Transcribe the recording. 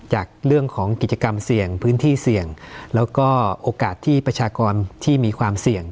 จากเรื่องของกิจกรรมเสี่ยงพื้นที่เสี่ยงแล้วก็โอกาสที่ประชากรที่มีความเสี่ยง